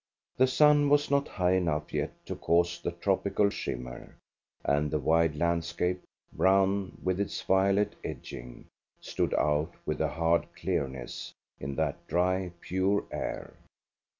The sun was not high enough yet to cause the tropical shimmer, and the wide landscape, brown with its violet edging, stood out with a hard clearness in that dry, pure air.